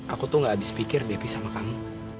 aku tuh gak habis pikir deh pi sama kamu